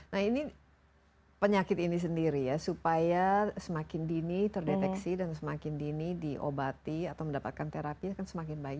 nah ini penyakit ini sendiri ya supaya semakin dini terdeteksi dan semakin dini diobati atau mendapatkan terapinya kan semakin baik